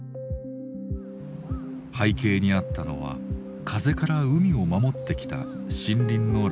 背景にあったのは風から海を守ってきた森林の乱伐。